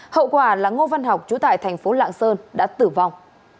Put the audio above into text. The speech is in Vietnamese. hậu quả là ngô văn học chú tại thành phố lạng sơn đã tử vong